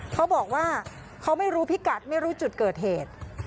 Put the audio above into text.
เขาบอกว่าเขาไม่รู้พิกัดไม่รู้จุดเกิดเหตุ